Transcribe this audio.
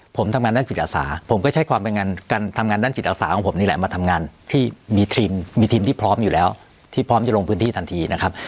ผมทำงานด้านจิตอาสาผมก็ใช้ความทำงานด้านจิตอาสาของผมนี่แหละมาทำงานที่มีทีมมีทีมที่พร้อมอยู่แล้วที่พร้อมจะลงพื้นที่ทันทีนะครับ